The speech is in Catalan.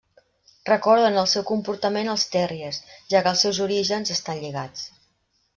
Recorda en el seu comportament als terriers, ja que els seus orígens estan lligats.